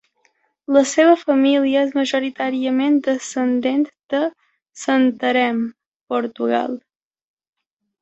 La seva família és majoritàriament descendent de Santarém (Portugal).